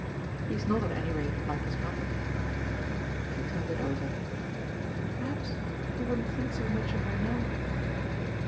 "He's not at any rate like his mother." She turned it over. "Perhaps you wouldn't think so much of her now."